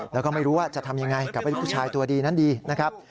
แล้วก็ไม่รู้ว่าจะทำยังไงกับผู้ชายตัวดีนั้นดีนะครับ